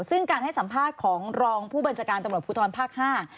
ซึ่งการให้สัมภาษณ์ของรองผู้บัญชาการตำรวจภูทรภาคห้า